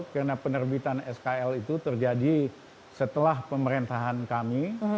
karena penerbitan skl itu terjadi setelah pemerintahan kami